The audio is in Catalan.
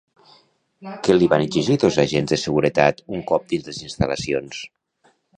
Què li van exigir dos agents de seguretat un cop dins les instal·lacions?